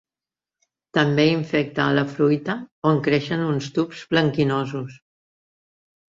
També infecta a la fruita, on creixen uns tubs blanquinosos.